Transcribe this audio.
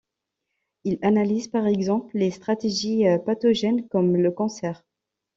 Il analyse par exemple les stratégies pathogènes comme le cancer.